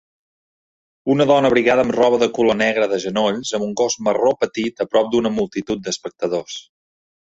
Una dona abrigada amb roba de color negre de genolls amb un gos marró petit a prop d'una multitud d'espectadors.